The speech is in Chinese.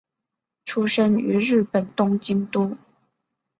出身于日本东京都。